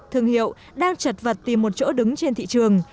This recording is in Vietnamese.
thương hiệu đang chật vật tìm một chỗ đứng trên thị trường